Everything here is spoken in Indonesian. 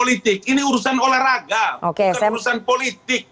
ini urusan olahraga bukan urusan politik